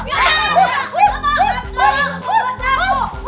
buru buru buru